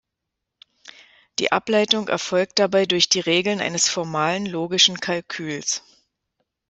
Die Ableitung erfolgt dabei durch die Regeln eines formalen logischen Kalküls.